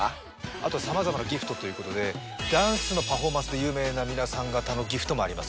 あとさまざまなギフトということでダンスのパフォーマンスで有名な皆さん方のギフトもあります。